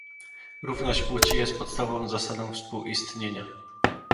Równość płci jest podstawową zasadą współistnienia